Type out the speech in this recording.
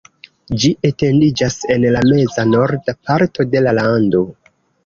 Ĝi etendiĝas en la meza-norda parto de la lando.